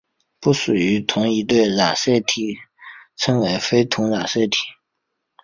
不属于同一对的染色体称为非同源染色体。